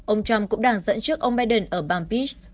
ông trump cũng đang dẫn trước ông biden ở bắc carolina